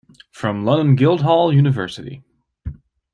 from London Guildhall University.